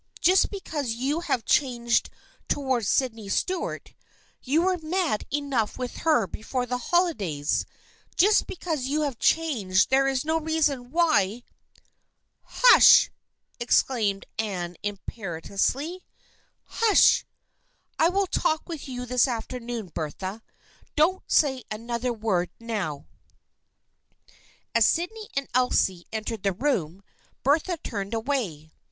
Just because you have changed towards Sydney Stuart — you were mad enough with her before the holidays — just because you have changed there is no reason why "" Hush !" exclaimed Anne imperiously. " Hush ! I will talk with you this afternoon, Bertha. Don't say another word now." As Sydney and Elsie entered the room, Bertha turned away.